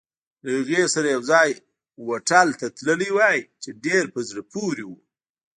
له هغې سره یوځای هوټل ته تللی وای، چې ډېر په زړه پورې وو.